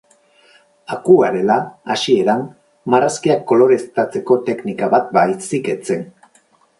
Akuarela, hasieran, marrazkiak koloreztatzeko teknika bat baizik ez zen.